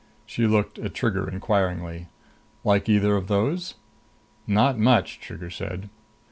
She looked at Trigger inquiringly. "Like either of those?" "Not much," Trigger said.